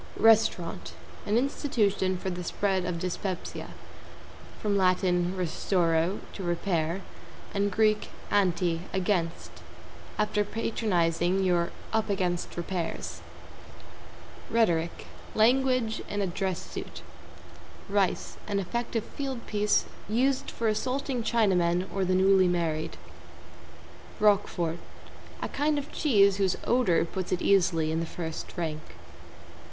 =RESTAURANT= An institution for the spread of dyspepsia. From Lat. restauro, to repair, and Grk. anti, against. After patronizing, you're "up against repairs." =RHETORIC= Language in a dress suit. =RICE= An effective field piece, used for assaulting Chinamen or the newly married. =ROQUEFORT= A kind of cheese whose odor puts it easily in the first rank.